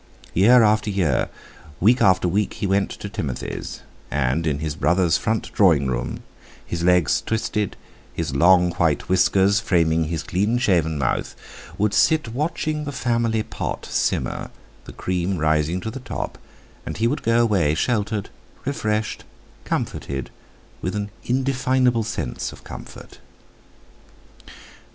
Year after year, week after week, he went to Timothy's, and in his brother's front drawing room—his legs twisted, his long white whiskers framing his clean shaven mouth—would sit watching the family pot simmer, the cream rising to the top; and he would go away sheltered, refreshed, comforted, with an indefinable sense of comfort.